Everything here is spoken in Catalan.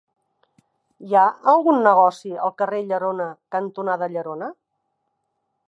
Hi ha algun negoci al carrer Llerona cantonada Llerona?